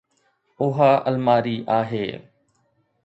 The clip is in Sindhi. اها الماري آهي